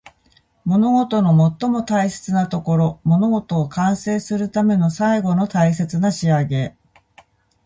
物事の最も大切なところ。物事を完成するための最後の大切な仕上げ。